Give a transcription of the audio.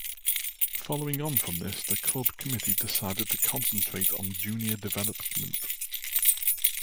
Following on from this the club committee decided to concentrate on junior development.